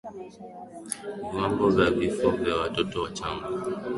viwango vya vifo vya watoto wachanga